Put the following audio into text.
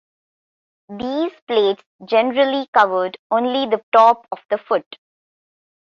These plates generally covered only the top of the foot.